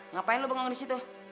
ngapain lo bangun disitu